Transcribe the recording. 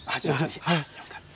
よかった。